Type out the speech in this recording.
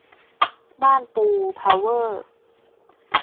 บ้านปู เพาเวอร์